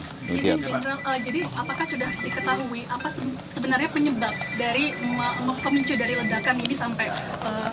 jadi apakah sudah diketahui apa sebenarnya penyebab dari kemincu dari redakan ini sampai